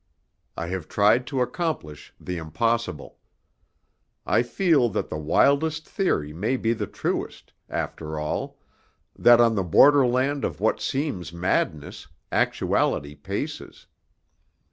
I have tried to accomplish the impossible. I feel that the wildest theory may be the truest, after all that on the borderland of what seems madness, actuality paces.